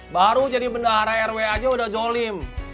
baru jadi bendahara rwa aja udah jolim